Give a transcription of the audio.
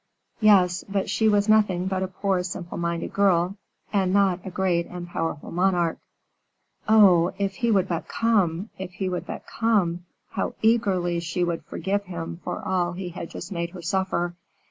Yes, but she was nothing but a poor simple minded girl, and not a great and powerful monarch. Oh! if he would but come, if he would but come! how eagerly she would forgive him for all he had just made her suffer!